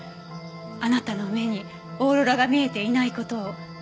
あなたの目にオーロラが見えていない事を。